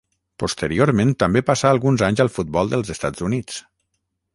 Posteriorment també passà alguns anys al futbol dels Estats Units.